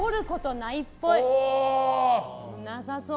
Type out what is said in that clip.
なさそう。